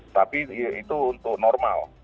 tapi itu untuk normal